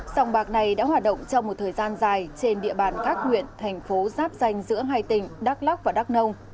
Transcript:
sông bạc này đã hoạt động trong một thời gian dài trên địa bàn các huyện thành phố giáp danh giữa hai tỉnh đắk lắc và đắk nông